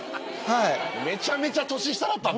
めちゃめちゃ年下だったんだ。